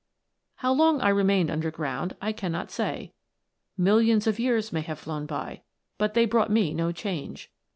How long I remained underground I cannot say. Millions of years may have flown by, but they brought me no change.